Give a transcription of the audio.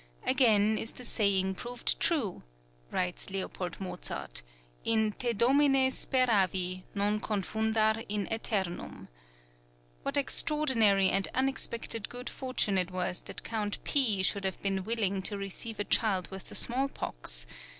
"Again is the saying proved true," writes L. Mozart: "In Te Domine speravi, non confundar in æternum." "What extraordinary and unexpected good fortune it was that Count P. should have been willing to receive a child with the small pox!